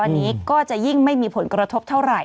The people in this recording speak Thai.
อันนี้ก็จะยิ่งไม่มีผลกระทบเท่าไหร